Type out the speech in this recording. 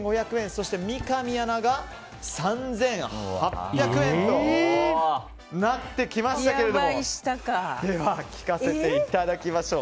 そして三上アナが３８００円となってきましたけどもでは聞かせていただきましょう。